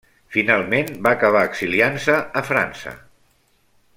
Finalment va acabar exiliant-se a França.